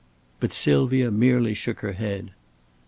But Sylvia merely shook her head.